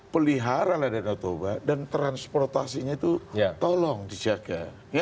pelihara dan otobah dan transportasinya itu tolong dijaga